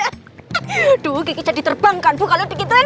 aduh kiki jadi terbang kan bu kalau begitu ya mbak